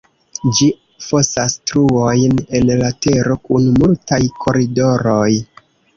Ĝi fosas truojn en la tero kun multaj koridoroj.